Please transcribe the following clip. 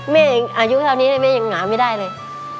แม่อายุเท่านี้เลยแม่ยังหนาไม่ได้เลย